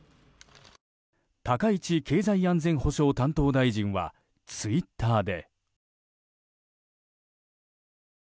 高市経済安全保障大臣はツイッターで。